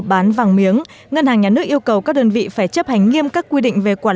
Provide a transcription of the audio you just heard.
bán vàng miếng ngân hàng nhà nước yêu cầu các đơn vị phải chấp hành nghiêm các quy định về quản